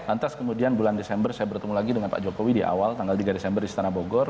lantas kemudian bulan desember saya bertemu lagi dengan pak jokowi di awal tanggal tiga desember di istana bogor